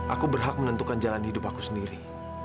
aku berhak menentukan jalan hidup aku sendiri